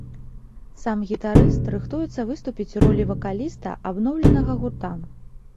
Сам гітарыст рыхтуецца выступіць у ролі вакаліста абноўленага гурта.